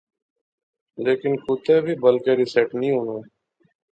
لیکن کوتے وی بل کری سیٹ نی وہا